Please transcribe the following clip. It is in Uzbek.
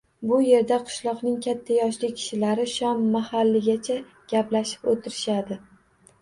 Bu yerda qishloqning katta yoshli kishilari shom mahaligacha gaplashib o‘tirishadi